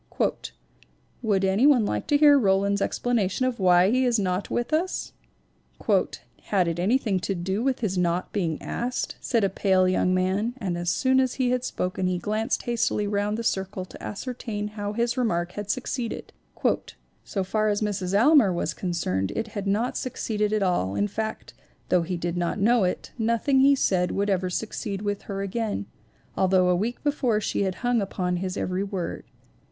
[ 'Would any one like to hear Roland's explana tion of why he is not with us?' ' 'Had it anything to do with his not being asked ?' said a pale young man; and as soon as he had spoken he glanced hastily round the circle to ascertain how his remark had succeeded. "So far as Mrs. Almar was concerned it had not succeeded at all, in fact, though he did not know it, nothing he said would ever succeed with her again, although a week before she had hung upon his every word.